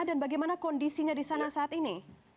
dan bagaimana kondisinya di sana saat ini